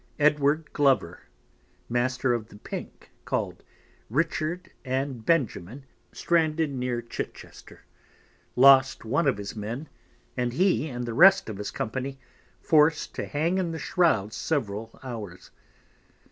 Edward Glover, Master of the Pink call'd Richard and Benjamin, stranded near Chichester, lost one of his Men, and he, and the rest of his Company, forced to hang in the Shrouds several hours.